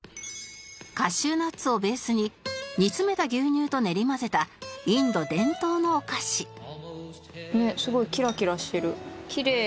カシューナッツをベースに煮詰めた牛乳と練り混ぜたインド伝統のお菓子ウソ？